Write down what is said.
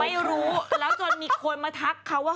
ไม่รู้แล้วจนมีคนมาทักเขาว่า